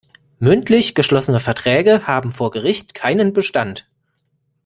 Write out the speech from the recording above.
Mündlich geschlossene Verträge haben vor Gericht keinen Bestand.